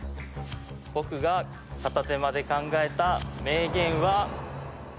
僕が片手間で考えた名言は。